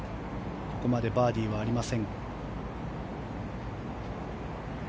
ここまでバーディーはありません。